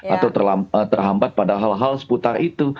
atau terhambat pada hal hal seputar itu